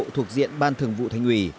thuộc diện ban thường vụ thành ủy